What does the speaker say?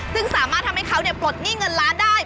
ซึ่งสามารถทำให้เขาปลดหนี้เงินล้านได้